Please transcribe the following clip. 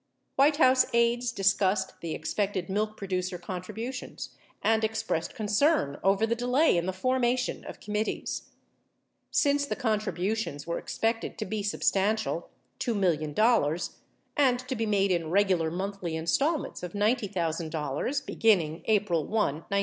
White House aides discussed the expected milk producer contribu tions and expressed concern over the delay in the formation of com mittees. Since the contributions were expected to be substantial — $2 million — and to be made in regular monthly installments of $90,000 beginning April 1, 197l.